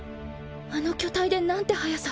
あの巨体でなんて速さ